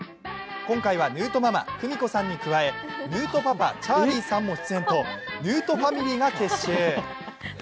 今回はヌートママ・久美子さんに加え、ヌートパパ・チャーリーさんも出演とヌートファミリーが結集。